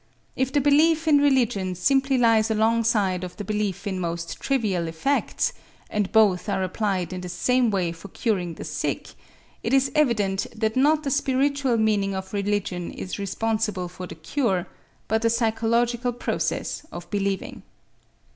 If the belief in religion simply lies alongside of the belief in most trivial effects, and both are applied in the same way for curing the sick, it is evident that not the spiritual meaning of religion is responsible for the cure, but the psychological process of believing.